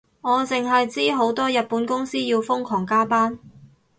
我淨係知好多日本公司要瘋狂加班